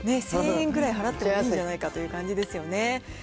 １０００円ぐらい払ってもいいんじゃないかという感じですよね。